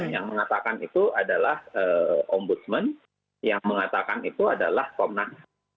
yang mengatakan itu adalah ombudsman yang mengatakan itu adalah komnas